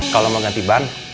kalau mau ganti ban